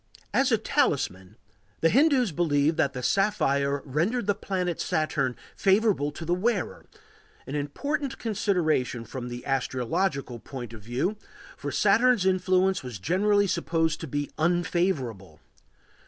As a talisman the Hindus believed that the sapphire rendered the planet Saturn favorable to the wearer, an important consideration from the astrological point of view, for Saturn's influence was generally supposed to be unfavorable.